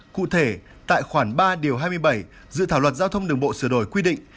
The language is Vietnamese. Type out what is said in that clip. cụ thể tại khoảng ba hai mươi bảy dự thảo luật giao thông đường bộ sửa đổi quy định